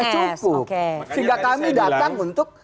sehingga kami datang untuk